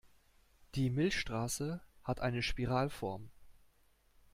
Die Milchstraße hat eine Spiralform.